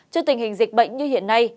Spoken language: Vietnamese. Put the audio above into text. trước tình hình dịch bệnh như hiện nay